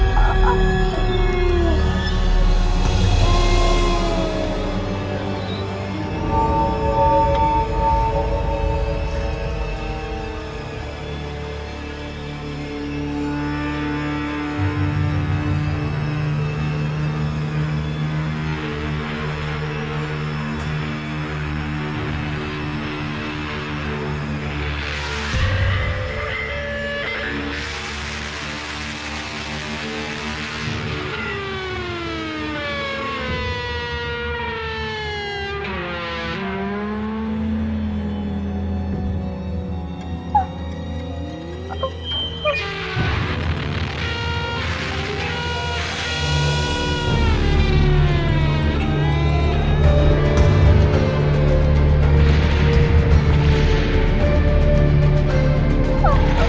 kamu lagi buat apa